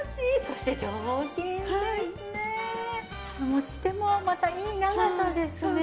持ち手もまたいい長さですね。